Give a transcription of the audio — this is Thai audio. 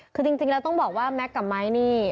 คือจริงแล้วต้องบอกว่าแม็กซ์กับไม้นี่